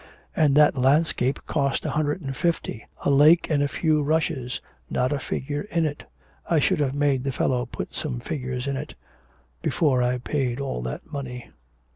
And that landscape cost a hundred and fifty a lake and a few rushes, not a figure in it. I should have made the fellow put some figures in it, before I paid all that money.